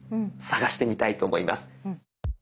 探してみたいと思います。